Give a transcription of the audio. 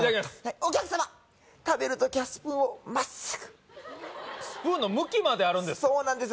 お客様食べる時はスプーンをまっすぐスプーンの向きまであるんですかそうなんですよ